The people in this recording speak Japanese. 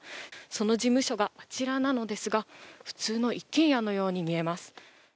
その事務所が、あちらなのですが普通の一軒家のように見えます。